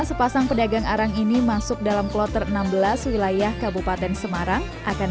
sepasang pedagang arang ini masuk dalam kloter enam belas wilayah kabupaten semarang akan